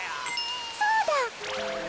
そうだ！